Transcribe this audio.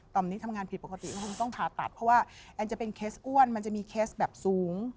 ตอนนี้ทำงานผิดปกติก็คงต้องผ่าตัดเพราะว่าแอนจะเป็นเคสอ้วนมันจะมีเคสแบบสูง